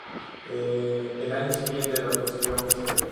El año siguiente lo consiguió Mr.